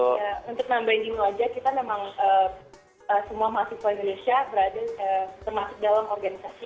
untuk nambahin dino aja kita memang semua masuk ke indonesia termasuk dalam organisasi